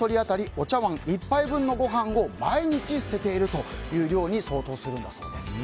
お茶わん１杯分のご飯を毎日捨てているという量に相当するんだそうです。